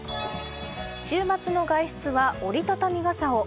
週末の外出は折り畳み傘を。